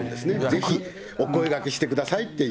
ぜひお声がけしてくださいって。